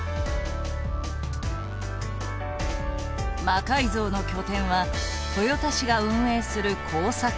魔改造の拠点は豊田市が運営する工作室。